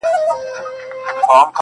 يوه آزاده بيانيه ورکړم